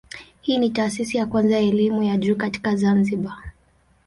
Hii ni taasisi ya kwanza ya elimu ya juu katika Zanzibar.